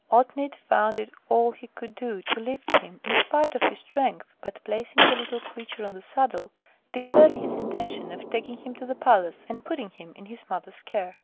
Otnit found it all he could do to lift him, in spite of his strength, but placing the little creature on the saddle, declared his intention of taking him to the palace, and putting him in his mother's care.